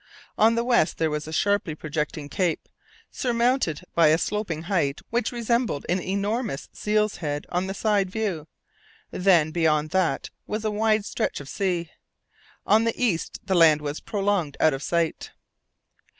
On the west there was a sharply projecting cape, surmounted by a sloping height which resembled an enormous seal's head on the side view; then beyond that was a wide stretch of sea. On the east the land was prolonged out of sight.